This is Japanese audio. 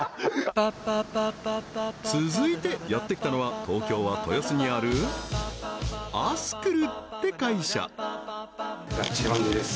続いてやってきたのは東京は豊洲にあるアスクルって会社「がっちりマンデー！！」です